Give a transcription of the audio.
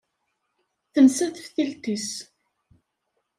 Tensa teftilt-is.